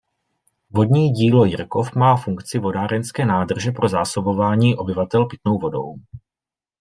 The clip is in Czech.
Vodní dílo Jirkov má funkci vodárenské nádrže pro zásobování obyvatel pitnou vodou.